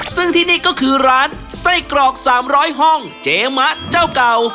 ซึ่งที่นี่ก็คือร้านไส้กรอก๓๐๐ห้องเจ๊มะเจ้าเก่า